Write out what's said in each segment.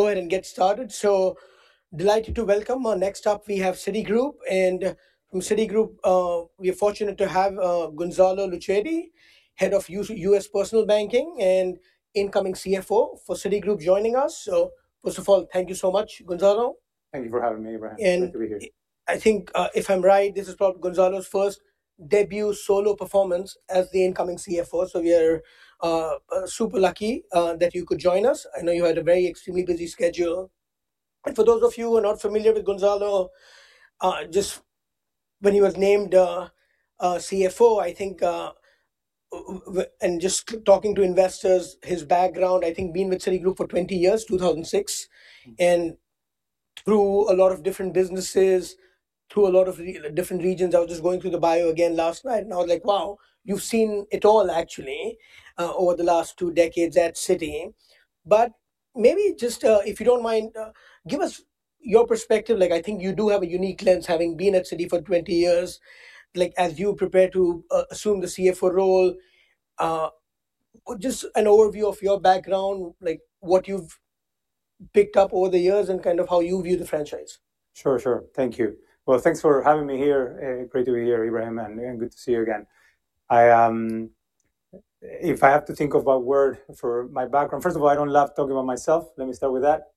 Go ahead and get started. So delighted to welcome. And next up, we have Citigroup, and from Citigroup, we are fortunate to have Gonzalo Lucchetti, Head of U.S. Personal Banking and incoming CFO for Citigroup, joining us. So, first of ThankYou so much, Gonzalo. ThankYou for having me, Ebrahim. Great to be here. I think, if I'm right, this is probably Gonzalo's first debut solo performance as the incoming CFO, so we are super lucky that you could join us. I know you had a very extremely busy schedule. And for those of you who are not familiar with Gonzalo, just when he was named CFO, I think, and just talking to investors, his background, I think, been with Citigroup for 20 years, 2006. Mm-hmm. Through a lot of different businesses, through a lot of different regions. I was just going through the bio again last night, and I was like, "Wow, you've seen it all actually over the last 2 decades at Citi." But maybe just, if you don't mind, give us your perspective. Like, I think you do have a unique lens, having been at Citi for 20 years. Like, as you prepare to assume the CFO role, just an overview of your background, like what you've picked up over the years and kind of how you view the franchise. Sure, ThankYou. well, thanks for having me here. Great to be here, Ebrahim, and good to see you again. If I have to think of a word for my background. First of all, I don't love talking about myself, let me start with that.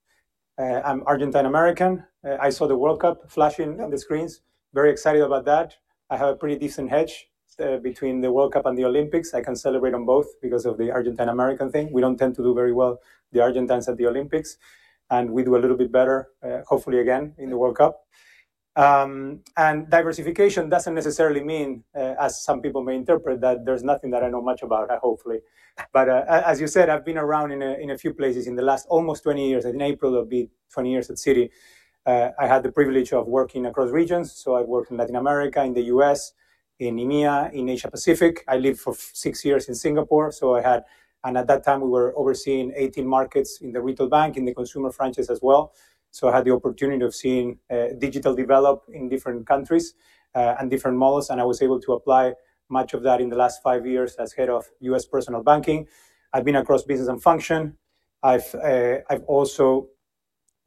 I'm Argentine American. I saw the World Cup flashing on the screens, very excited about that. I have a pretty decent hedge between the World Cup and the Olympics. I can celebrate on both because of the Argentine American thing. We don't tend to do very well, the Argentines at the Olympics, and we do a little bit better, hopefully again in the World Cup. And diversification doesn't necessarily mean, as some people may interpret, that there's nothing that I know much about, hopefully. But, as you said, I've been around in a few places in the last almost 20 years. In April, it'll be 20 years at Citi. I had the privilege of working across regions, so I worked in Latin America, in the U.S., in EMEA, in Asia Pacific. I lived for 6 years in Singapore, so I had, and at that time, we were overseeing 18 Markets in the retail bank, in the consumer franchise as well. So, I had the opportunity of seeing digital develop in different countries, and different models, and I was able to apply much of that in the last 5 years as head of U.S. Personal Banking. I've been across business and function. I've also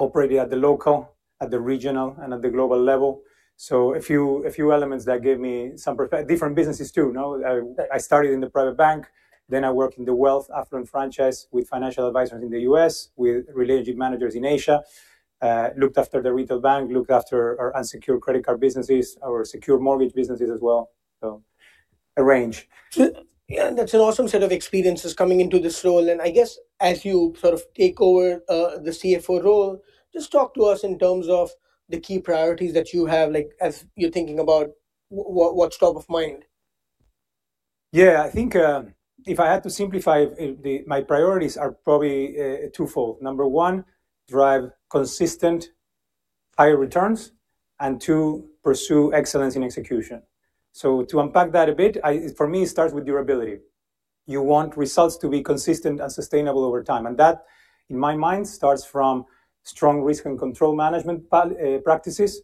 operated at the local, regional, and global level. So a few elements that gave me some perspective on different businesses, too, no? I started in the Private Bank, then I worked in the Wealth affluent franchise with financial advisors in the U.S., with relationship managers in Asia, looked after the retail bank, looked after our unsecured credit card businesses, our secured mortgage businesses as well. So a range. So, yeah, that's an awesome set of experiences coming into this role. And I guess as you sort of take over the CFO role, just talk to us in terms of the key priorities that you have, like, as you're thinking about what, what's top of mind. Yeah. I think, if I had to simplify, my priorities are probably, twofold. Number one, drive consistent higher returns, and two, pursue excellence in execution. So to unpack that a bit, for me, it starts with durability. You want results to be consistent and sustainable over time, and that, in my mind, starts from strong risk and control management practices,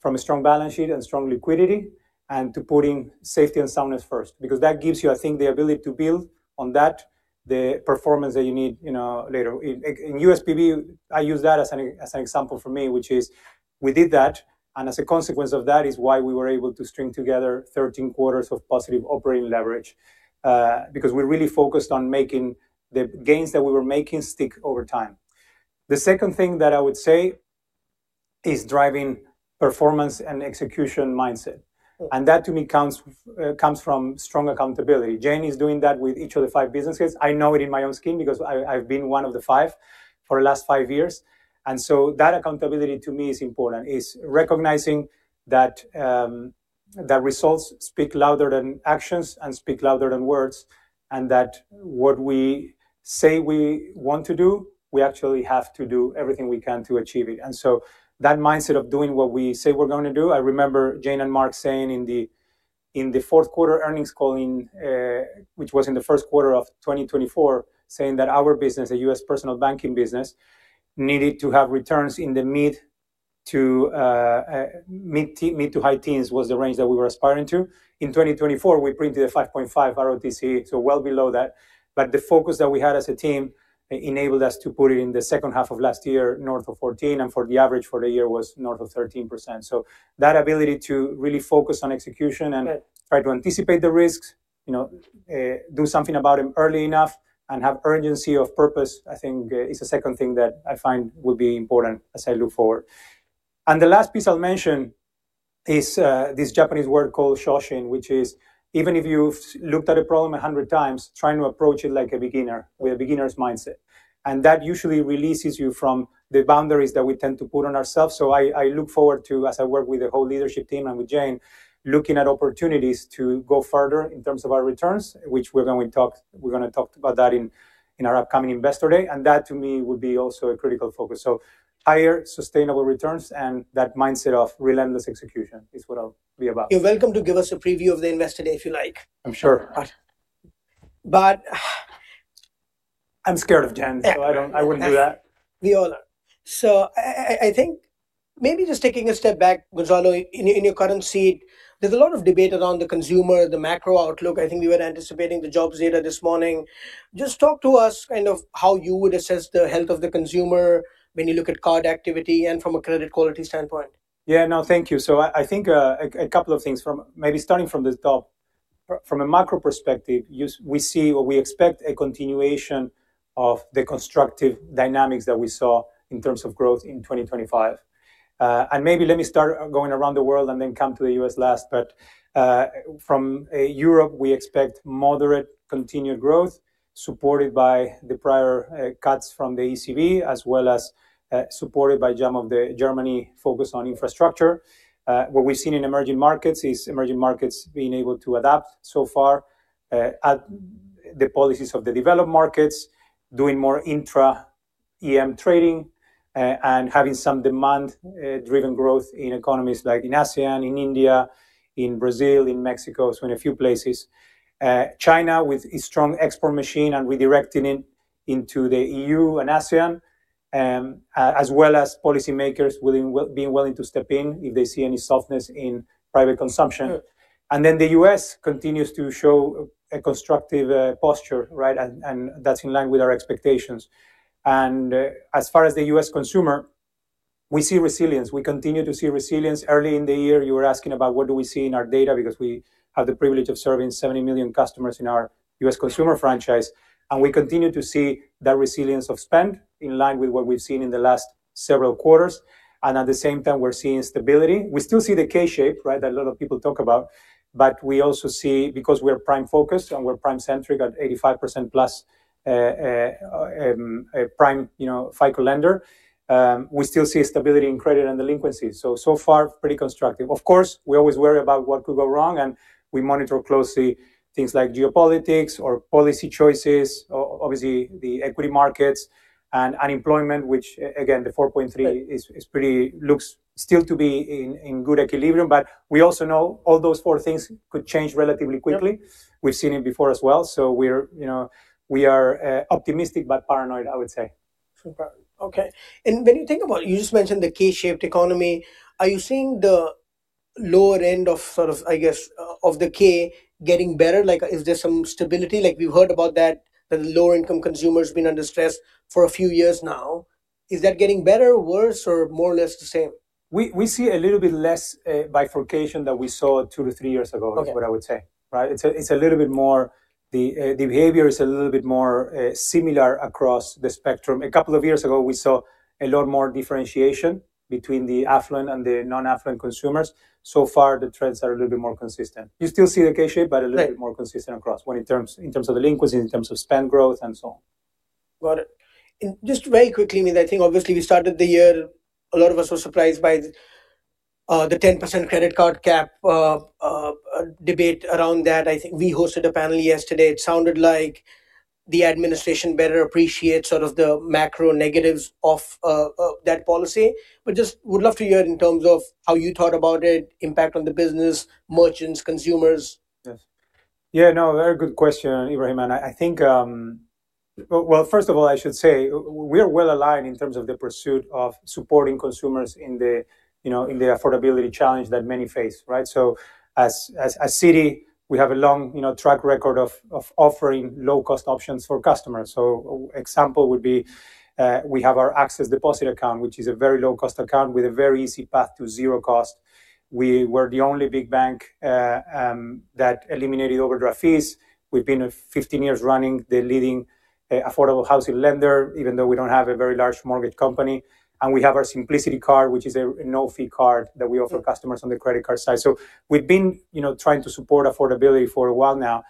from a strong balance sheet and strong liquidity, and putting safety and soundness first, because that gives you, I think, the ability to build on that, the performance that you need, you know, later. In USPB, I use that as an example for me, which is we did that, and as a consequence of that, is why we were able to string together 13 quarters of positive operating leverage, because we're really focused on making the gains that we were making stick over time. The second thing that I would say is driving performance and execution mindset, and that, to me, comes from strong accountability. Jane is doing that with each of the five businesses. I know it in my own skin because I've been one of the five for the last five years. So that accountability to me is important, is recognizing that that results speak louder than actions and speak louder than words, and that what we say we want to do, we actually have to do everything we can to achieve it. That mindset of doing what we say we're going to do, I remember Jane and Mark saying in the fourth quarter earnings call in, which was in the first quarter of 2024, saying that our business, the U.S. personal Banking business, needed to have returns in the mid- to high teens was the range that we were aspiring to. In 2024, we printed a 5.5 ROTCE, so well below that. But the focus that we had as a team enabled us to put it in the second half of last year north of 14, and for the average for the year was north of 13%. So that ability to really focus on execution- Good And try to anticipate the risks, you know, do something about them early enough and have urgency of purpose, I think, is the second thing that I find will be important as I look forward. And the last piece I'll mention is, this Japanese word called Shoshin, which is even if you've looked at a problem 100 times, trying to approach it like a beginner, with a beginner's mindset. And that usually releases you from the boundaries that we tend to put on ourselves. So I, I look forward to, as I work with the whole leadership team and with Jane, looking at opportunities to go further in terms of our returns, which we're going to talk—we're gonna talk about that in, in our upcoming Investor Day. And that, to me, would be also a critical focus. Higher sustainable returns and that mindset of relentless execution is what I'll be about. You're welcome to give us a preview of the Investor Day, if you like. I'm sure. But... I'm scared of Jane, so I don't, I wouldn't do that. We all are. So I think. Maybe just taking a step back, Gonzalo, in your current seat, there's a lot of debate around the consumer, the macro outlook. I think you were anticipating the jobs data this morning. Just talk to us kind of how you would assess the health of the consumer when you look at card activity and from a credit quality standpoint. Yeah, ThankYou. so I think a couple of things from maybe starting from the top. From a macro perspective, we see or we expect a continuation of the constructive dynamics that we saw in terms of growth in 2025. And maybe let me start going around the world and then come to the U.S. last. But from Europe, we expect moderate continued growth, supported by the prior cuts from the ECB, as well as supported by some of the Germany focus on infrastructure. What we've seen in emerging Markets is emerging Markets being able to adapt so far at the policies of the developed Markets, doing more intra-EM trading and having some demand driven growth in economies like in ASEAN, in India, in Brazil, in Mexico, so in a few places. China, with a strong export machine and redirecting it into the E.U. and ASEAN, as well as policymakers being willing to step in if they see any softness in private consumption. And then the U.S. continues to show a constructive posture, right? And that's in line with our expectations. And as far as the U.S. consumer, we see resilience. We continue to see resilience. Early in the year, you were asking about what do we see in our data, because we have the privilege of serving 70 million customers in our U.S. consumer franchise, and we continue to see that resilience of spend in line with what we've seen in the last several quarters, and at the same time, we're seeing stability. We still see the K-shaped economy, right, that a lot of people talk about, but we also see, because we're prime focused and we're prime centric at 85%+, a prime, you know, FICO lender, we still see stability in credit and delinquency. So, so far, pretty constructive. Of course, we always worry about what could go wrong, and we monitor closely things like geopolitics or policy choices, obviously, the equity Markets and unemployment, which again, the 4.3 is pretty looks still to be in good equilibrium. But we also know all those four things could change relatively quickly. Yeah. We've seen it before as well, so we're, you know, we are, optimistic but paranoid, I would say. Okay. When you think about it, you just mentioned the K-shaped economy. Are you seeing the lower end of sort of, I guess, of the K getting better? Like, is there some stability? Like, we've heard about that, that the lower-income consumers been under stress for a few years now. Is that getting better, worse, or more or less the same? We, we see a little bit less bifurcation than we saw 2-3 years ago- Okay. —is what I would say, right? It's a, it's a little bit more... The, the behavior is a little bit more similar across the spectrum. A couple of years ago, we saw a lot more differentiation between the affluent and the non-affluent consumers. So far, the trends are a little bit more consistent. You still see the K shape- Right. but a little bit more consistent across, when in terms of delinquency, in terms of spend growth, and so on. Got it. And just very quickly, I mean, I think obviously we started the year, a lot of us were surprised by the 10% credit card cap debate around that. I think we hosted a panel yesterday. It sounded like the administration better appreciates sort of the macro negatives of that policy. But just would love to hear in terms of how you thought about it, impact on the business, merchants, consumers. Yes. Yeah, no, very good question, Ebrahim, and I think, well, first of all, I should say we are well aligned in terms of the pursuit of supporting consumers in the, you know, in the affordability challenge that many face, right? So as, as, as Citi, we have a long, you know, track record of, of offering low-cost options for customers. So example would be, we have our Access Deposit Account, which is a very low-cost account with a very easy path to zero cost. We were the only big bank that eliminated overdraft fees. We've been 15 years running, the leading affordable housing lender, even though we don't have a very large mortgage company. And we have our Simplicity Card, which is a no-fee card that we offer customers on the credit card side. So we've been, you know, trying to support affordability for a while now.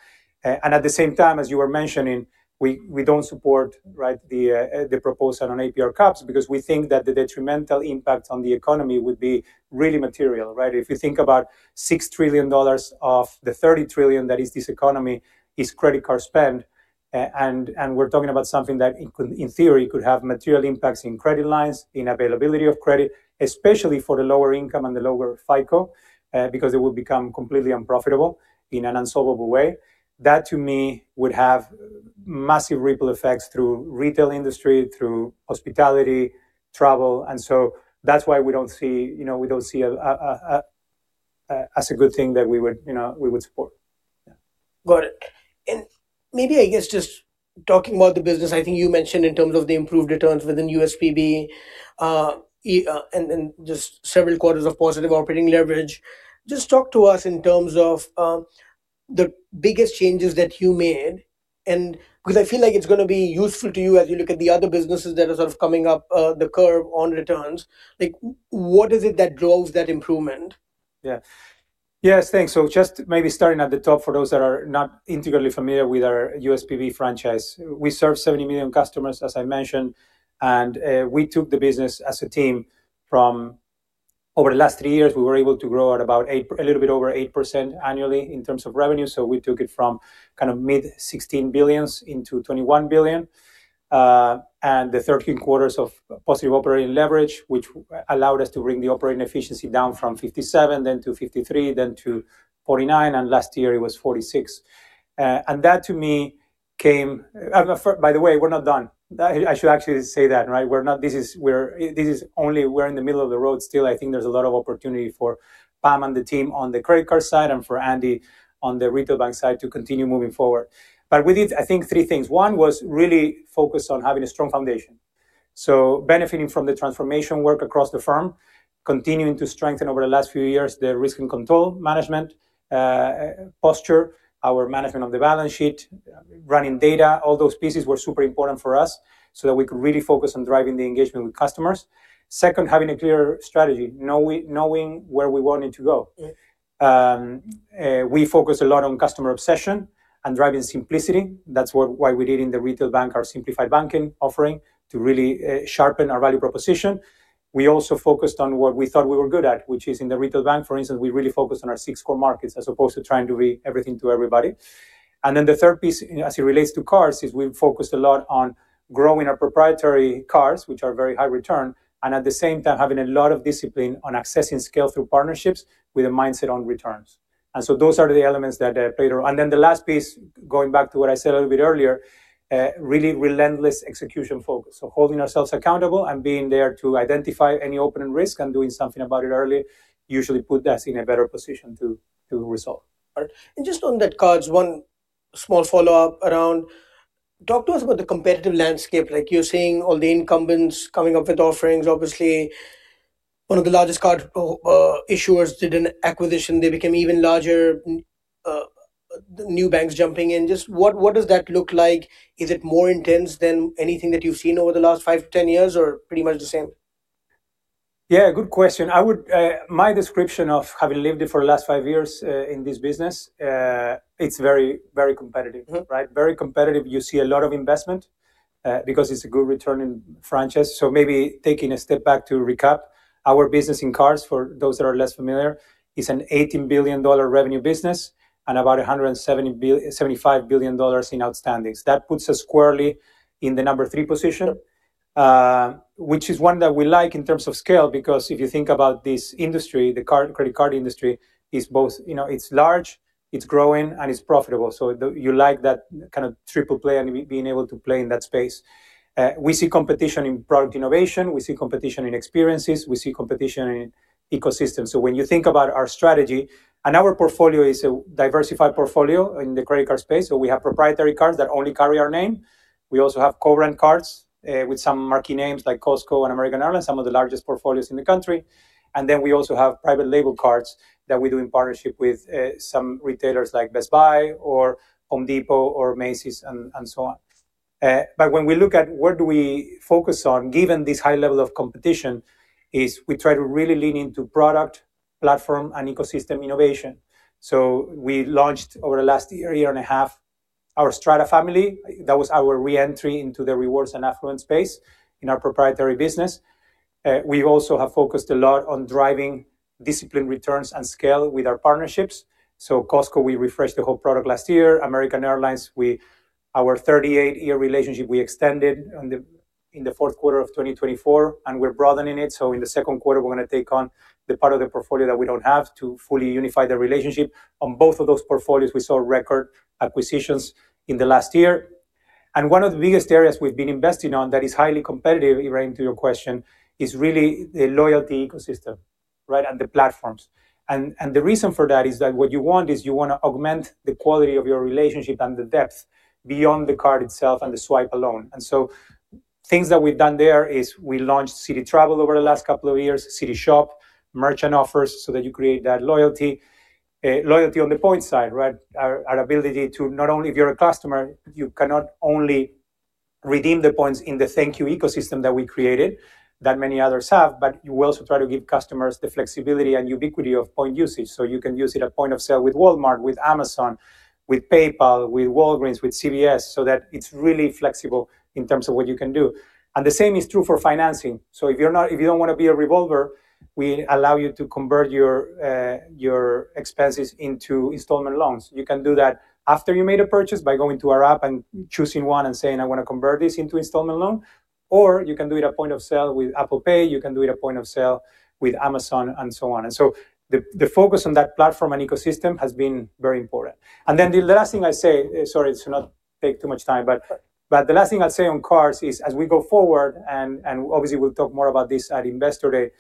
And at the same time, as you were mentioning, we, we don't support, right, the, the proposal on APR caps because we think that the detrimental impact on the economy would be really material, right? If you think about $6 trillion of the $30 trillion that is this economy is credit card spend, and, and we're talking about something that could, in theory, could have material impacts in credit lines, in availability of credit, especially for the lower income and the lower FICO, because it would become completely unprofitable in an unsolvable way. That, to me, would have massive ripple effects through retail industry, through hospitality, travel, and so that's why we don't see, you know, we don't see as a good thing that we would, you know, we would support. Yeah. Got it. And maybe, I guess, just talking about the business, I think you mentioned in terms of the improved returns within USPB, and just several quarters of positive operating leverage. Just talk to us in terms of the biggest changes that you made, and... Because I feel like it's going to be useful to you as you look at the other businesses that are sort of coming up the curve on returns. Like, what is it that drives that improvement? Yeah. Yes, thanks. So just maybe starting at the top for those that are not intimately familiar with our USPB franchise. We serve 70 million customers, as I mentioned, and we took the business as a team over the last three years, we were able to grow at about 8, a little bit over 8% annually in terms of revenue. So we took it from kind of mid-$16 billion into $21 billion, and the 13 quarters of positive operating leverage, which allowed us to bring the operating efficiency down from 57%, then to 53%, then to 49%, and last year it was 46%. And that, to me, by the way, we're not done. I should actually say that, right? We're not. This is, we're, this is only, we're in the middle of the road still. I think there's a lot of opportunity for Pam and the team on the credit card side and for Andy on the retail bank side to continue moving forward. But we did, I think, three things. One was really focused on having a strong foundation. So benefiting from the transformation work across the firm, continuing to strengthen over the last few years, the risk and control management, posture, our management of the balance sheet, running data, all those pieces were super important for us so that we could really focus on driving the engagement with customers. Second, having a clear strategy, knowing where we wanted to go. Yeah. We focus a lot on customer obsession and driving simplicity. That's what- why we did in the retail bank, our Simplified Banking offering, to really, sharpen our value proposition. We also focused on what we thought we were good at, which is in the retail bank, for instance, we really focused on our six core Markets, as opposed to trying to be everything to everybody. And then the third piece, as it relates to cards, is we focused a lot on growing our proprietary cards, which are very high return, and at the same time, having a lot of discipline on accessing scale through partnerships with a mindset on returns. And so those are the elements that, played a role. And then the last piece, going back to what I said a little bit earlier, really relentless execution focus. Holding ourselves accountable and being there to identify any open-end risk and doing something about it early usually put us in a better position to resolve. All right. And just on that cards, one small follow-up around... Talk to us about the competitive landscape. Like, you're seeing all the incumbents coming up with offerings. Obviously, one of the largest card issuers did an acquisition, they became even larger, new banks jumping in. Just what, what does that look like? Is it more intense than anything that you've seen over the last 5-10 years, or pretty much the same? Yeah, good question. I would, my description of having lived it for the last five years, in this business, it's very, very competitive. Mm-hmm. Right? Very competitive. You see a lot of investment, because it's a good return in franchise. So maybe taking a step back to recap, our business in cards, for those that are less familiar, is an $18 billion revenue business and about $175 billion in outstandings. That puts us squarely in the number three position- Sure... which is one that we like in terms of scale, because if you think about this industry, the card, credit card industry, is both, you know, it's large, it's growing, and it's profitable. So you like that kind of triple play and being able to play in that space. We see competition in product innovation, we see competition in experiences, we see competition in ecosystems. So when you think about our strategy. And our portfolio is a diversified portfolio in the credit card space, so we have proprietary cards that only carry our name. We also have co-brand cards, with some marquee names like Costco and American Airlines, some of the largest portfolios in the country. And then we also have private label cards that we do in partnership with some retailers like Best Buy or Home Depot or Macy's, and so on. But when we look at where do we focus on, given this high level of competition, is we try to really lean into product, platform, and ecosystem innovation. So we launched, over the last year and a half, our Strata family. That was our re-entry into the rewards and affluent space in our proprietary business. We also have focused a lot on driving disciplined returns and scale with our partnerships. So Costco, we refreshed the whole product last year. American Airlines, our 38-year relationship, we extended in the fourth quarter of 2024, and we're broadening it. So in the second quarter, we're gonna take on the part of the portfolio that we don't have to fully unify the relationship. On both of those portfolios, we saw record acquisitions in the last year. And one of the biggest areas we've been investing on that is highly competitive, to your question, is really the loyalty ecosystem, right, and the platforms. And, and the reason for that is that what you want is you wanna augment the quality of your relationship and the depth beyond the card itself and the swipe alone. And so things that we've done there is we launched Citi Travel over the last couple of years, Citi Shop, merchant offers, so that you create that loyalty. Loyalty on the points side, right, our ability to not only if you're a customer, you cannot only redeem the points in ThankYou ecosystem that we created, that many others have, but you also try to give customers the flexibility and ubiquity of point usage. So you can use it at point of sale with Walmart, with Amazon, with PayPal, with Walgreens, with CVS, so that it's really flexible in terms of what you can do. And the same is true for financing. So if you don't wanna be a revolver, we allow you to convert your your expenses into installment loans. You can do that after you made a purchase by going to our app and choosing one and saying, "I wanna convert this into installment loan." Or you can do it at point of sale with Apple Pay, you can do it at point of sale with Amazon, and so on. And so the, the focus on that platform and ecosystem has been very important. And then the last thing I say, sorry, to not take too much time, but- Sure... but the last thing I'll say on cards is, as we go forward, and obviously, we'll talk more about this at Investor Day,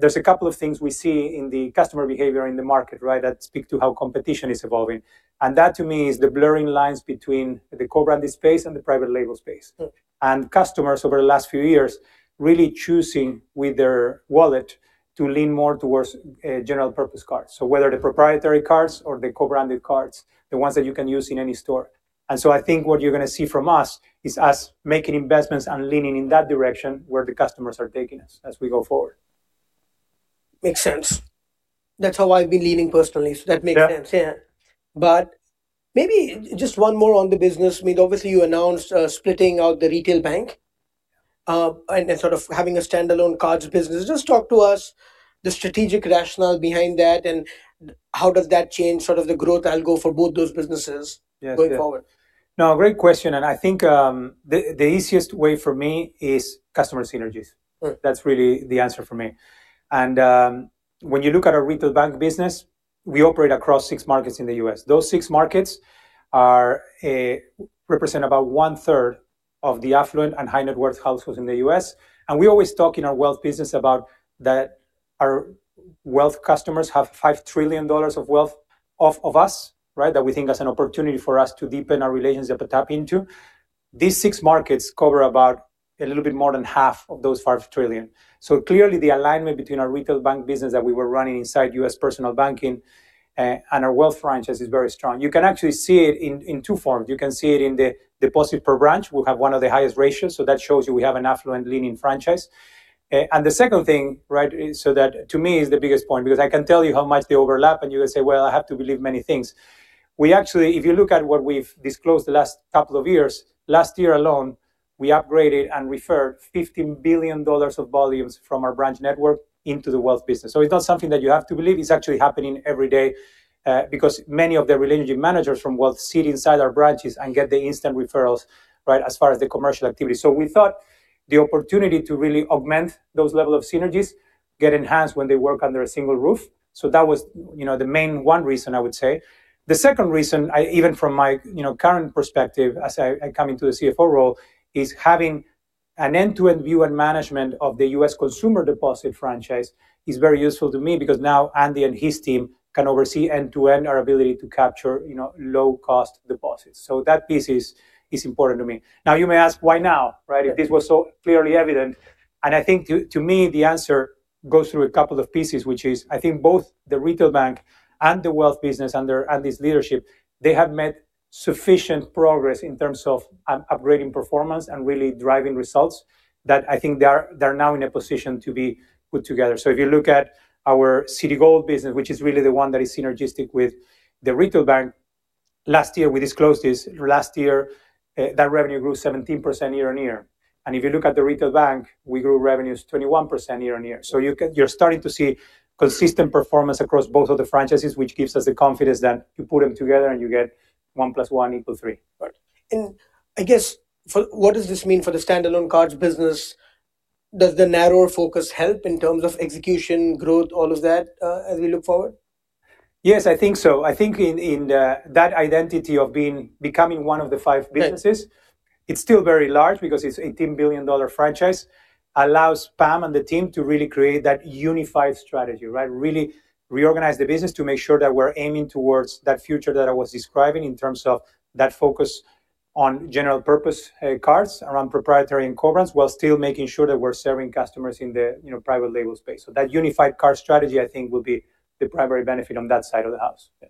there's a couple of things we see in the customer behavior in the market, right, that speak to how competition is evolving. And that, to me, is the blurring lines between the co-branded space and the private label space. Mm. Customers, over the last few years, really choosing with their wallet to lean more towards general-purpose cards. Whether the proprietary cards or the co-branded cards, the ones that you can use in any store. I think what you're gonna see from us is us making investments and leaning in that direction where the customers are taking us as we go forward. Makes sense. That's how I've been leaning personally, so that makes sense. Yeah. Yeah. But maybe just one more on the business. I mean, obviously, you announced, splitting out the retail bank, and then sort of having a standalone cards business. Just talk to us the strategic rationale behind that, and how does that change sort of the growth and go for both those businesses- Yes, yeah... going forward? No, great question, and I think, the easiest way for me is customer synergies. Mm. That's really the answer for me. And when you look at our retail bank business—we operate across six Markets in the U.S. Those six Markets represent about one-third of the affluent and high net worth households in the U.S. And we always talk in our Wealth business about that our Wealth customers have $5 trillion of Wealth off of us, right? That we think that's an opportunity for us to deepen our relationship to tap into. These six Markets cover about a little bit more than half of those $5 trillion. So clearly, the alignment between our retail bank business that we were running inside U.S. Personal Banking and our Wealth franchise is very strong. You can actually see it in two forms. You can see it in the deposit per branch. We have one of the highest ratios, so that shows you we have an affluent leaning franchise. And the second thing, right, so that to me is the biggest point, because I can tell you how much they overlap, and you're going to say, "Well, I have to believe many things." We actually, if you look at what we've disclosed the last couple of years, last year alone, we upgraded and referred $15 billion of volumes from our branch network into the Wealth business. So it's not something that you have to believe, it's actually happening every day, because many of the relationship managers from Wealth sit inside our branches and get the instant referrals, right, as far as the commercial activity. So we thought the opportunity to really augment those level of synergies get enhanced when they work under a single roof. So that was, you know, the main one reason I would say. The second reason, even from my, you know, current perspective as I come into the CFO role, is having an end-to-end view and management of the U.S. consumer deposit franchise is very useful to me because now Andy and his team can oversee end-to-end our ability to capture, you know, low-cost deposits. So that piece is important to me. Now, you may ask, why now, right? Yeah. If this was so clearly evident. I think to me, the answer goes through a couple of pieces, which is, I think both the retail bank and the Wealth business under Andy's leadership, they have made sufficient progress in terms of upgrading performance and really driving results, that I think they are now in a position to be put together. So if you look at our Citigold business, which is really the one that is synergistic with the retail bank, last year, we disclosed this. Last year, that revenue grew 17% year-over-year. And if you look at the retail bank, we grew revenues 21% year-over-year. So you can—you're starting to see consistent performance across both of the franchises, which gives us the confidence that you put them together and you get one plus one equals three. Right. I guess, what does this mean for the standalone cards business? Does the narrower focus help in terms of execution, growth, all of that, as we look forward? Yes, I think so. I think in that identity of becoming one of the five businesses- Right... it's still very large because it's a $18 billion franchise, allows Pam and the team to really create that unified strategy, right? Really reorganize the business to make sure that we're aiming towards that future that I was describing in terms of that focus on general purpose cards, around proprietary and co-brands, while still making sure that we're serving customers in the, you know, private label space. So that unified card strategy, I think, will be the primary benefit on that side of the house. Yeah.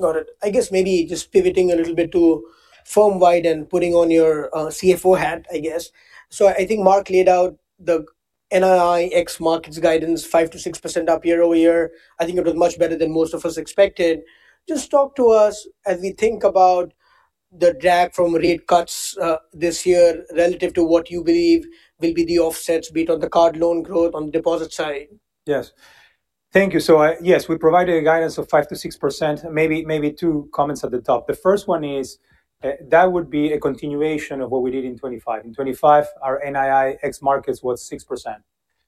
Got it. I guess maybe just pivoting a little bit to firm-wide and putting on your, CFO hat, I guess. So I think Mark laid out the NII ex-Markets guidance, 5%-6% up year-over-year. I think it was much better than most of us expected. Just talk to us as we think about the drag from rate cuts, this year, relative to what you believe will be the offsets, be it on the card loan growth, on the deposit side. ThankYou. so, yes, we provided a guidance of 5%-6%. Maybe, maybe two comments at the top. The first one is, that would be a continuation of what we did in 2025. In 2025, our NII ex-Markets was 6%.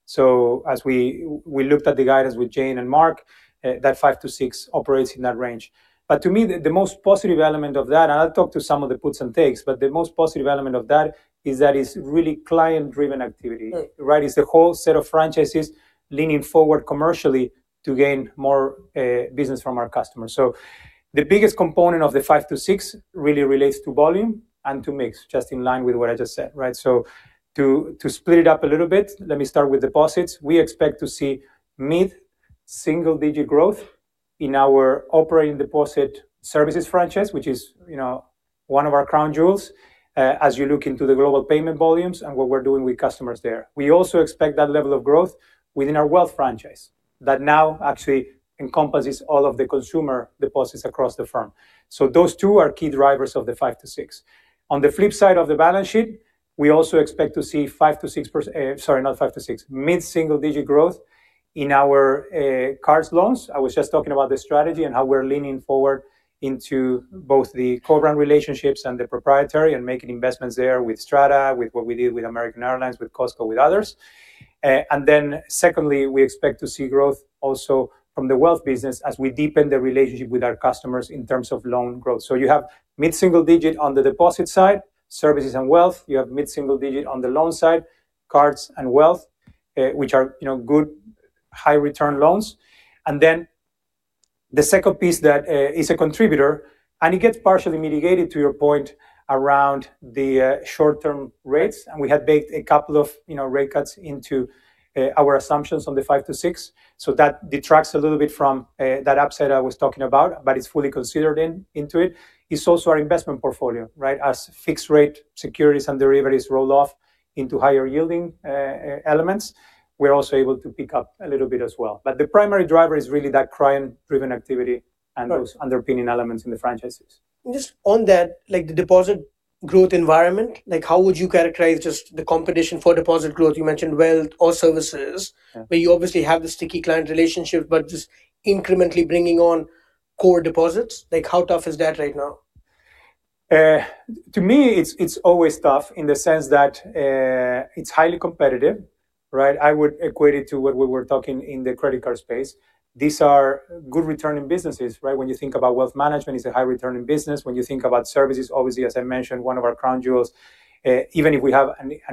So as we, we looked at the guidance with Jane and Mark, that 5%-6% operates in that range. But to me, the most positive element of that, and I'll talk to some of the puts and takes, but the most positive element of that is that it's really client-driven activity. Right. Right? It's the whole set of franchises leaning forward commercially to gain more business from our customers. So the biggest component of the 5-6 really relates to volume and to mix, just in line with what I just said, right? So to split it up a little bit, let me start with deposits. We expect to see mid-single-digit growth in our operating deposit Services franchise, which is, you know, one of our crown jewels, as you look into the global payment volumes and what we're doing with customers there. We also expect that level of growth within our Wealth franchise, that now actually encompasses all of the consumer deposits across the firm. So those two are key drivers of the 5-6. On the flip side of the balance sheet, we also expect to see sorry, not five to six, mid-single digit growth in our cards loans. I was just talking about the strategy and how we're leaning forward into both the program relationships and the proprietary, and making investments there with Strata, with what we did with American Airlines, with Costco, with others. And then secondly, we expect to see growth also from the Wealth business as we deepen the relationship with our customers in terms of loan growth. So you have mid-single digit on the deposit side, Services and Wealth. You have mid-single digit on the loan side, cards and Wealth, which are, you know, good high return loans. And then the second piece that is a contributor, and it gets partially mitigated to your point around the short-term rates, and we had baked a couple of, you know, rate cuts into our assumptions on the 5-6. So that detracts a little bit from that upset I was talking about, but it's fully considered into it. It's also our investment portfolio, right? As fixed rate securities and derivatives roll off into higher yielding elements, we're also able to pick up a little bit as well. But the primary driver is really that client-driven activity- Right... and those underpinning elements in the franchises. Just on that, like, the deposit growth environment, like, how would you characterize just the competition for deposit growth? You mentioned Wealth or Services- Yeah... but you obviously have the sticky client relationship, but just incrementally bringing on core deposits. Like, how tough is that right now?... To me, it's, it's always tough in the sense that, it's highly competitive, right? I would equate it to what we were talking in the credit card space. These are good returning businesses, right? When you think about Wealth management, it's a high returning business. When you think about Services, obviously, as I mentioned, one of our crown jewels, even if we have a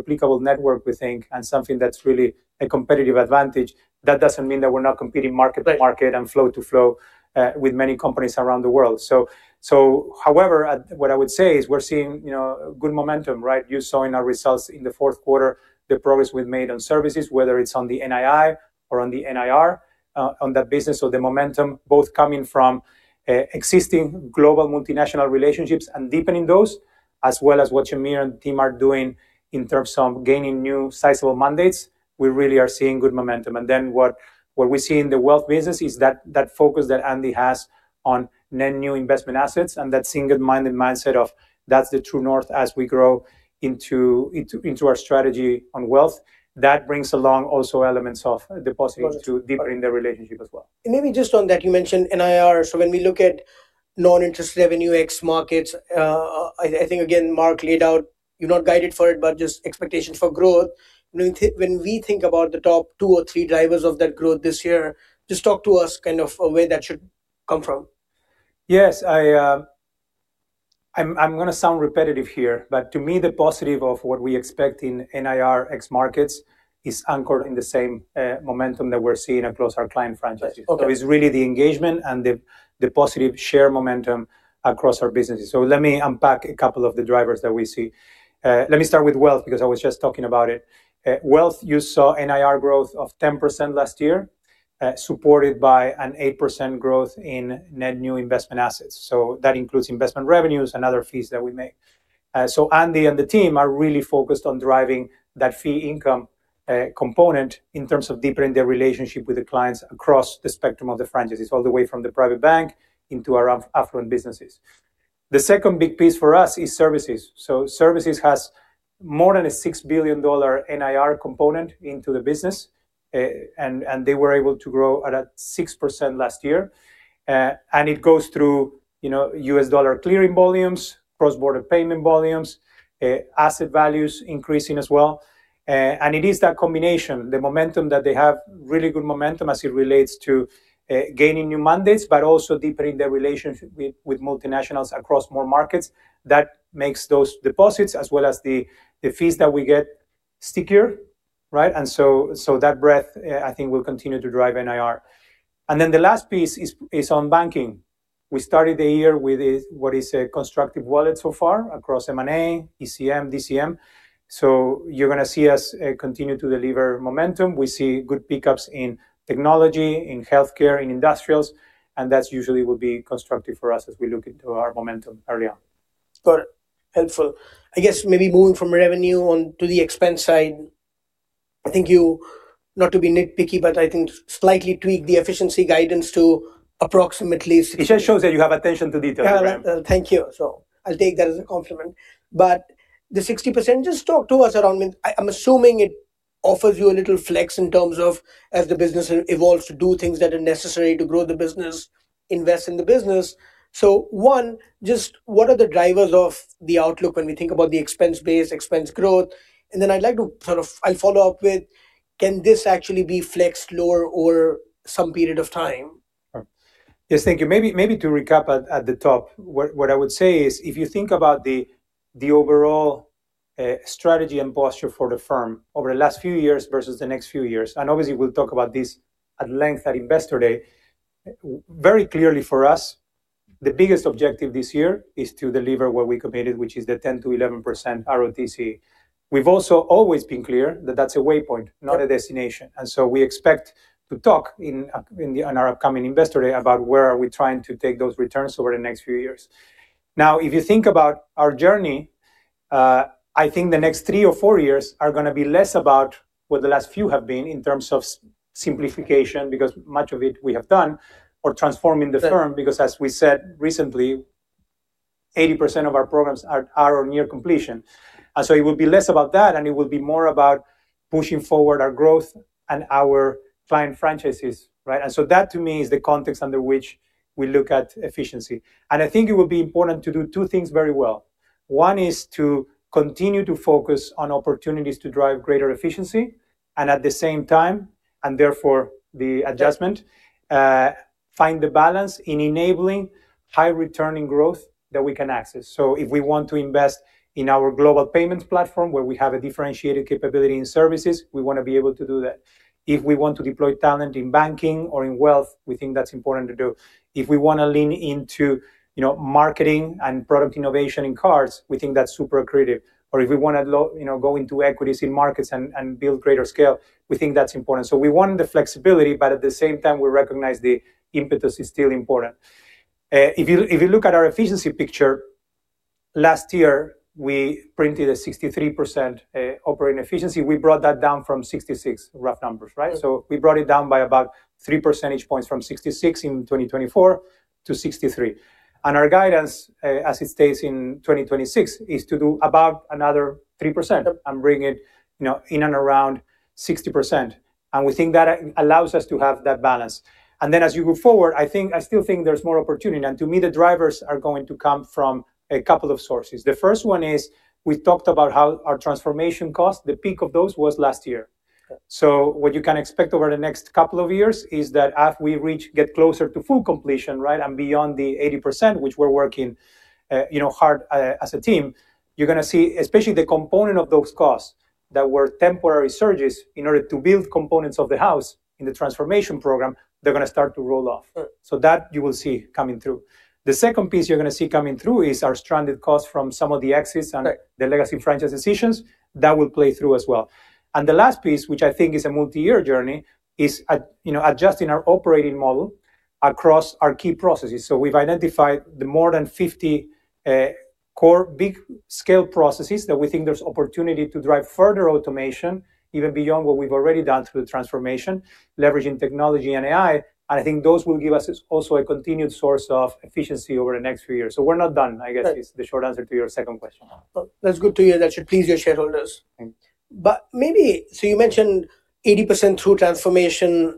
replicable network, we think, and something that's really a competitive advantage, that doesn't mean that we're not competing market to market- Right and flow to flow with many companies around the world. So however, what I would say is we're seeing, you know, good momentum, right? You saw in our results in the fourth quarter, the progress we've made on Services, whether it's on the NII or on the NIR, on that business. So the momentum both coming from existing global multinational relationships and deepening those, as well as what Shahmir and the team are doing in terms of gaining new sizable mandates. We really are seeing good momentum. And then what we see in the Wealth business is that focus that Andy has on net new investment assets and that single-minded mindset of that's the true north as we grow into our strategy on Wealth. That brings along also elements of the positives to deepen the relationship as well. Maybe just on that, you mentioned NIR. When we look at non-interest revenue ex-Markets, I think again, Mark laid out, you're not guided for it, but just expectations for growth. When we think about the top two or three drivers of that growth this year, just talk to us kind of where that should come from. Yes, I'm gonna sound repetitive here, but to me, the positive of what we expect in NIR ex-Markets is anchored in the same momentum that we're seeing across our client franchises. Okay. So it's really the engagement and the positive share momentum across our businesses. So let me unpack a couple of the drivers that we see. Let me start with Wealth, because I was just talking about it. Wealth, you saw NIR growth of 10% last year, supported by an 8% growth in net new investment assets. So that includes investment revenues and other fees that we make. So Andy and the team are really focused on driving that fee income component in terms of deepening their relationship with the clients across the spectrum of the franchises, all the way from the Private Bank into our affluent businesses. The second big piece for us is Services. So Services has more than a $6 billion NIR component into the business, and they were able to grow at 6% last year. And it goes through, you know, U.S. dollar clearing volumes, cross-border payment volumes, asset values increasing as well. And it is that combination, the momentum that they have, really good momentum as it relates to gaining new mandates, but also deepening their relationship with multinationals across more Markets, that makes those deposits as well as the fees that we get stickier, right? And so that breadth, I think, will continue to drive NIR. And then the last piece is on Banking. We started the year with what is a constructive wallet so far across M&A, ECM, DCM. So you're going to see us continue to deliver momentum. We see good pickups in technology, in healthcare, in industrials, and that's usually will be constructive for us as we look into our momentum early on. Sure, helpful. I guess maybe moving from revenue on to the expense side, I think you, not to be nitpicky, but I think slightly tweak the efficiency guidance to approximately 60- It just shows that you have attention to detail. ThankYou. so I'll take that as a compliment. But the 60%, just talk to us around... I'm assuming it offers you a little flex in terms of as the business evolves, to do things that are necessary to grow the business, invest in the business. So one, just what are the drivers of the outlook when we think about the expense base, expense growth? And then I'd like to sort of- I'll follow up with, can this actually be flexed lower over some period of time? Sure. ThankYou. maybe, maybe to recap at, at the top, what, what I would say is, if you think about the, the overall strategy and posture for the firm over the last few years versus the next few years, and obviously, we'll talk about this at length at Investor Day. Very clearly for us, the biggest objective this year is to deliver what we committed, which is the 10%-11% ROTCE. We've also always been clear that that's a waypoint, not a destination. And so we expect to talk in on our upcoming Investor Day about where are we trying to take those returns over the next few years. Now, if you think about our journey, I think the next three or four years are going to be less about what the last few have been in terms of simplification, because much of it we have done, or transforming the firm- Right Because as we said recently, 80% of our programs are on near completion. So it will be less about that, and it will be more about pushing forward our growth and our client franchises, right? So that, to me, is the context under which we look at efficiency. I think it will be important to do two things very well. One is to continue to focus on opportunities to drive greater efficiency, and at the same time, and therefore, the adjustment, find the balance in enabling high returning growth that we can access. So if we want to invest in our global payments platform, where we have a differentiated capability in Services, we want to be able to do that. If we want to deploy talent in Banking or in Wealth, we think that's important to do. If we want to lean into, you know, marketing and product innovation in cards, we think that's super creative. Or if we want to, you know, go into equities in Markets and build greater scale, we think that's important. So we want the flexibility, but at the same time, we recognize the impetus is still important. If you look at our efficiency picture, last year, we printed a 63% operating efficiency. We brought that down from 66, rough numbers, right? Mm-hmm. So we brought it down by about 3 percentage points from 66 in 2024 to 63. And our guidance, as it stays in 2026, is to do about another 3%- Yep and bring it, you know, in and around 60%... and we think that allows us to have that balance. And then as you move forward, I think-- I still think there's more opportunity, and to me, the drivers are going to come from a couple of sources. The first one is, we talked about how our transformation costs, the peak of those was last year. Right. So what you can expect over the next couple of years is that as we reach, get closer to full completion, right, and beyond the 80%, which we're working, you know, hard, as a team, you're going to see, especially the component of those costs that were temporary surges in order to build components of the house in the transformation program, they're going to start to roll off. Right. So that you will see coming through. The second piece you're going to see coming through is our stranded costs from some of the exits- Right. - and the legacy franchise decisions, that will play through as well. And the last piece, which I think is a multi-year journey, is at, you know, adjusting our operating model across our key processes. So we've identified the more than 50 core big scale processes that we think there's opportunity to drive further automation, even beyond what we've already done through the transformation, leveraging technology and AI. I think those will give us also a continued source of efficiency over the next few years. So we're not done, I guess- Right. - is the short answer to your second question. Well, that's good to hear. That should please your shareholders. Thank You. But maybe, so you mentioned 80% through transformation.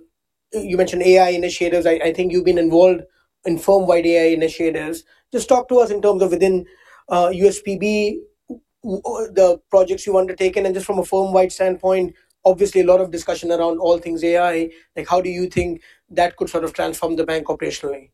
You mentioned AI initiatives. I, I think you've been involved in firm-wide AI initiatives. Just talk to us in terms of within, USPB, the projects you've undertaken, and just from a firm-wide standpoint, obviously, a lot of discussion around all things AI. Like, how do you think that could sort of transform the bank operationally?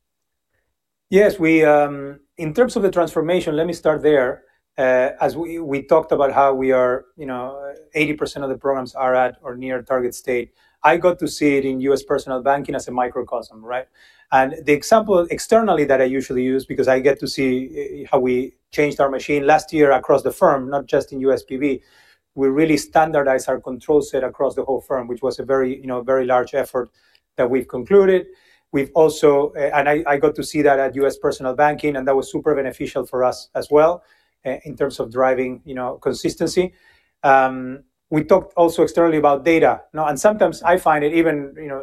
Yes, we, in terms of the transformation, let me start there. As we, we talked about how we are, you know, 80% of the programs are at or near target state. I got to see it in U.S. Personal Banking as a microcosm, right? And the example externally that I usually use, because I got to see how we changed our machine last year across the firm, not just in USPB, we really standardized our control set across the whole firm, which was a very, you know, very large effort that we've concluded. We've also... and I, I got to see that at U.S. Personal Banking, and that was super beneficial for us as well, in terms of driving, you know, consistency. We talked also externally about data. Now, and sometimes I find it even, you know,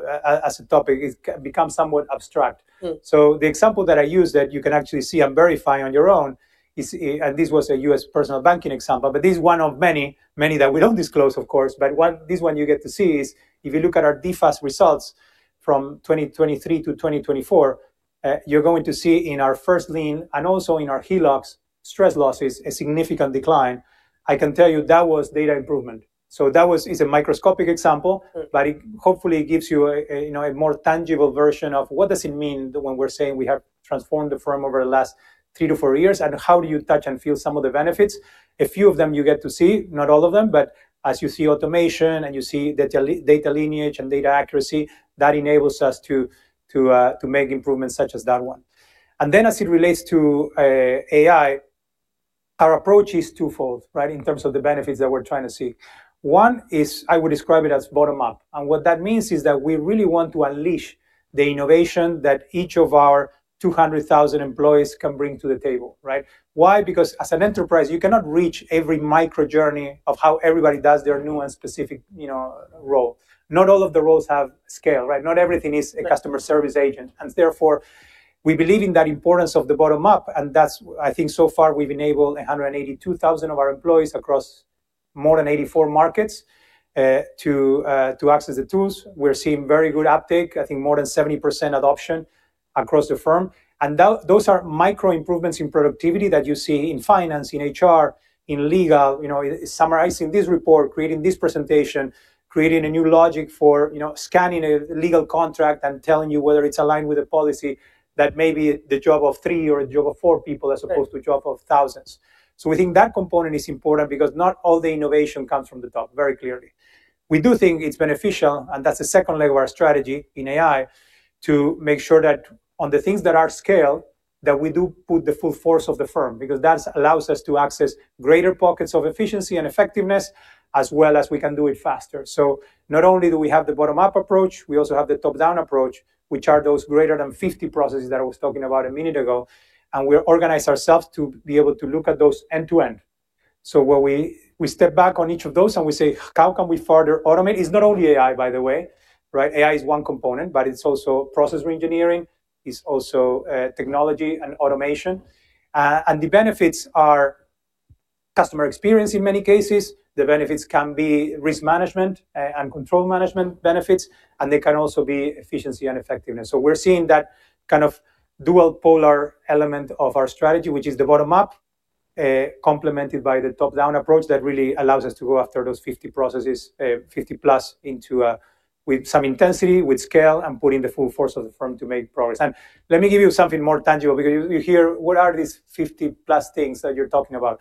as a topic, it can become somewhat abstract. Hmm. So the example that I use that you can actually see and verify on your own is, and this was a US personal Banking example, but this is one of many, many that we don't disclose, of course. But one—this one you get to see is if you look at our DFAST results from 2023 to 2024, you're going to see in our first lien and also in our HELOCs, stress losses, a significant decline. I can tell you that was data improvement. So that was, is a microscopic example- Right. But it hopefully gives you a, you know, a more tangible version of what does it mean when we're saying we have transformed the firm over the last 3-4 years, and how do you touch and feel some of the benefits? A few of them you get to see, not all of them. But as you see automation and you see data lineage and data accuracy, that enables us to make improvements such as that one. And then, as it relates to AI, our approach is twofold, right, in terms of the benefits that we're trying to seek. One is, I would describe it as bottom up, and what that means is that we really want to unleash the innovation that each of our 200,000 employees can bring to the table, right? Why? Because as an enterprise, you cannot reach every micro journey of how everybody does their new and specific, you know, role. Not all of the roles have scale, right? Not everything is- Right. a customer service agent, and therefore, we believe in that importance of the bottom up, and that's... I think so far, we've enabled 182,000 of our employees across more than 84 Markets, to access the tools. We're seeing very good uptake, I think more than 70% adoption across the firm. And those are micro improvements in productivity that you see in finance, in HR, in legal, you know, summarizing this report, creating this presentation, creating a new logic for, you know, scanning a legal contract and telling you whether it's aligned with the policy that may be the job of three or the job of four people- Right. - as opposed to a job of thousands. So we think that component is important because not all the innovation comes from the top, very clearly. We do think it's beneficial, and that's the second layer of our strategy in AI, to make sure that on the things that are scale, that we do put the full force of the firm, because that allows us to access greater pockets of efficiency and effectiveness, as well as we can do it faster. So not only do we have the bottom-up approach, we also have the top-down approach, which are those greater than 50 processes that I was talking about a minute ago, and we organize ourselves to be able to look at those end to end. So where we step back on each of those, and we say, "How can we further automate?" It's not only AI, by the way, right? AI is one component, but it's also process reengineering, it's also technology and automation. And the benefits are customer experience in many cases, the benefits can be risk management and control management benefits, and they can also be efficiency and effectiveness. So we're seeing that kind of dual polar element of our strategy, which is the bottom up, complemented by the top-down approach that really allows us to go after those 50 processes, 50 plus with some intensity, with scale, and putting the full force of the firm to make progress. And let me give you something more tangible, because you hear, what are these 50 plus things that you're talking about?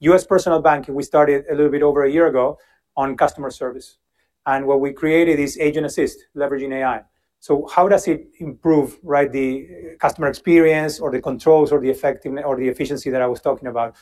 U.S. Personal Banking, we started a little bit over a year ago on customer service, and what we created is Agent Assist, leveraging AI. So how does it improve, right, the customer experience or the controls or the effectiveness, or the efficiency that I was talking about?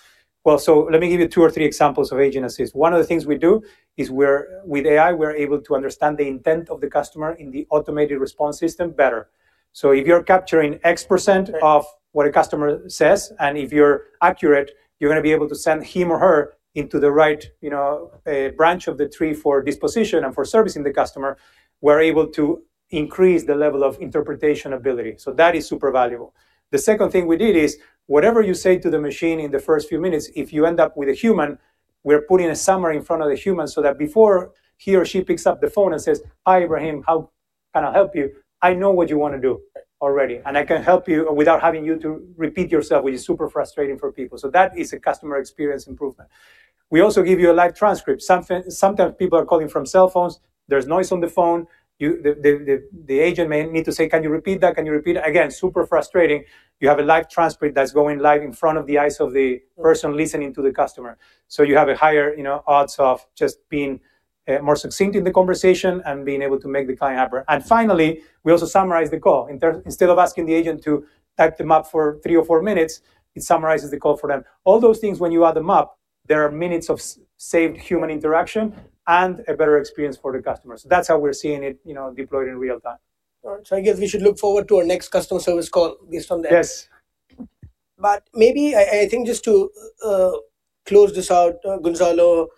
Well, so let me give you two or three examples of Agent Assist. One of the things we do is with AI, we're able to understand the intent of the customer in the automated response system better. So if you're capturing X%— Right... of what a customer says, and if you're accurate, you're going to be able to send him or her into the right, you know, branch of the tree for disposition and for servicing the customer. We're able to increase the level of interpretation ability, so that is super valuable. The second thing we did is, whatever you say to the machine in the first few minutes, if you end up with a human, we're putting a summary in front of the human so that before he or she picks up the phone and says, "Hi, Ebrahim, how are-"... and I'll help you. I know what you want to do already, and I can help you without having you to repeat yourself, which is super frustrating for people. So that is a customer experience improvement. We also give you a live transcript. Sometimes people are calling from cell phones, there's noise on the phone, the agent may need to say, "Can you repeat that? Can you repeat?" Again, super frustrating. You have a live transcript that's going live in front of the eyes of the person listening to the customer. So you have a higher, you know, odds of just being more succinct in the conversation and being able to make the client happier. And finally, we also summarize the call. Instead of asking the agent to type them up for three or four minutes, it summarizes the call for them. All those things, when you add them up, there are minutes of saved human interaction and a better experience for the customers. That's how we're seeing it, you know, deployed in real time. All right, so I guess we should look forward to our next customer service call based on that. Yes. But maybe I, I think just to close this out, Gonzalo,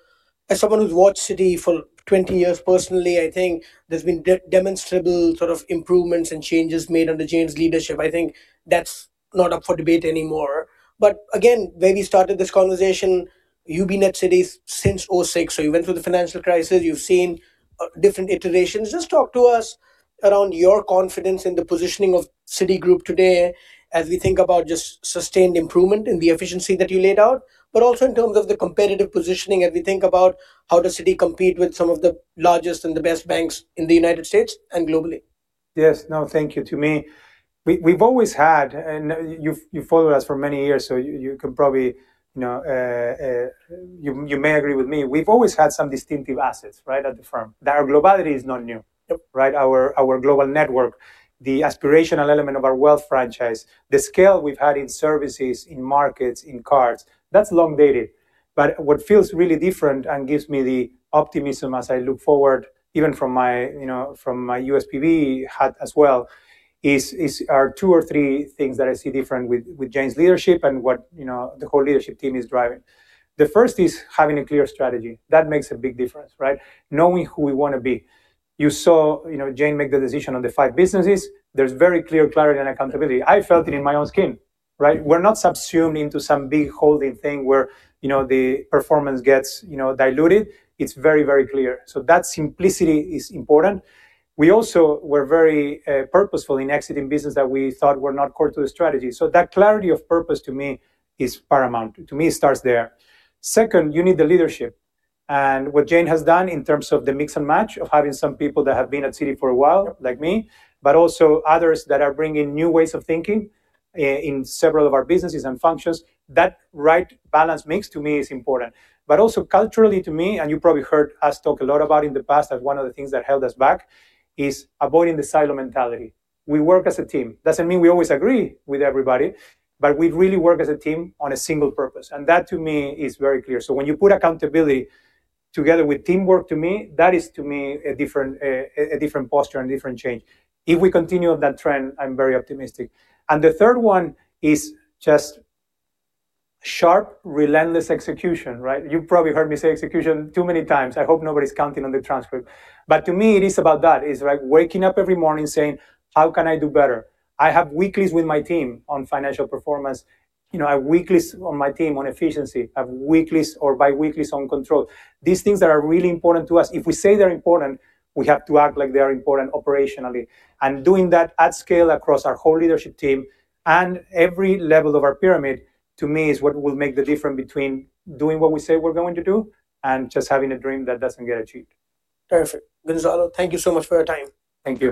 as someone who's watched Citi for 20 years, personally, I think there's been demonstrable sort of improvements and changes made under Jane's leadership. I think that's not up for debate anymore. But again, when we started this conversation, you've been at Citi since 2006, so you went through the financial crisis, you've seen different iterations. Just talk to us around your confidence in the positioning of Citigroup today as we think about just sustained improvement in the efficiency that you laid out, but also in terms of the competitive positioning, as we think about how does Citi compete with some of the largest and the best banks in the United States and globally? Yes. ThankYou. to me, we've always had... and you've followed us for many years, so you can probably, you know, you may agree with me. We've always had some distinctive assets, right, at the firm. Our globality is not new. Yep. Right? Our global network, the aspirational element of our Wealth franchise, the scale we've had in Services, in Markets, in cards, that's long dated. But what feels really different and gives me the optimism as I look forward, even from my, you know, from my USPB hat as well, are two or three things that I see different with Jane's leadership and what, you know, the whole leadership team is driving. The first is having a clear strategy. That makes a big difference, right? Knowing who we want to be. You saw, you know, Jane make the decision on the five businesses. There's very clear clarity and accountability. I felt it in my own skin, right? We're not subsumed into some big holding thing where, you know, the performance gets, you know, diluted. It's very, very clear. So that simplicity is important. We also were very purposeful in exiting business that we thought were not core to the strategy. So that clarity of purpose, to me, is paramount. To me, it starts there. Second, you need the leadership. And what Jane has done in terms of the mix and match of having some people that have been at Citi for a while- Yep... like me, but also others that are bringing new ways of thinking in several of our businesses and functions, that right balance mix, to me, is important. But also culturally, to me, and you probably heard us talk a lot about in the past as one of the things that held us back, is avoiding the silo mentality. We work as a team. Doesn't mean we always agree with everybody, but we really work as a team on a single purpose, and that, to me, is very clear. So when you put accountability together with teamwork, to me, that is, to me, a different posture and a different change. If we continue on that trend, I'm very optimistic. And the third one is just sharp, relentless execution, right? You probably heard me say execution too many times. I hope nobody's counting on the transcript. But to me, it is about that. It's like waking up every morning saying: How can I do better? I have weeklies with my team on financial performance. You know, I have weeklies on my team on efficiency. I have weeklies or bi-weeklies on control. These things are really important to us. If we say they're important, we have to act like they are important operationally. And doing that at scale across our whole leadership team and every level of our pyramid, to me, is what will make the difference between doing what we say we're going to do and just having a dream that doesn't get achieved. Perfect. ThankYou so much for your time. Thank You.